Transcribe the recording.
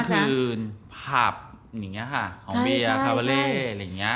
นักร้อนกลางคืนผับหอมเบียคาเวเล